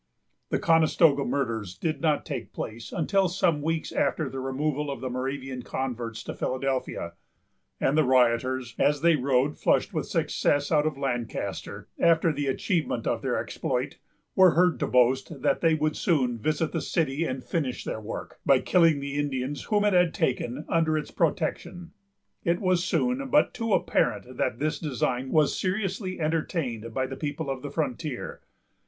The Conestoga murders did not take place until some weeks after the removal of the Moravian converts to Philadelphia; and the rioters, as they rode, flushed with success, out of Lancaster, after the achievement of their exploit, were heard to boast that they would soon visit the city and finish their work, by killing the Indians whom it had taken under its protection. It was soon but too apparent that this design was seriously entertained by the people of the frontier.